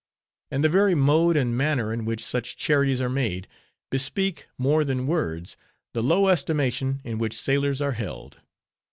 And the very mode and manner in which such charities are made, bespeak, more than words, the low estimation in which sailors are held.